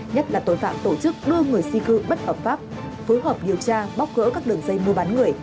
nhất là tội phạm tổ chức đưa người di cư bất hợp pháp phối hợp điều tra bóc gỡ các đường dây mua bán người